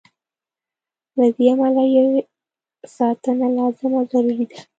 له دې امله یې ساتنه لازمه او ضروري ده.